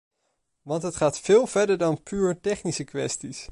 Want het gaat veel verder dan puur technische kwesties.